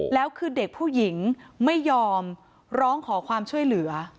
แล้วคือเด็กผู้หญิงไม่ยอมร้องขอความช่วยเหลือ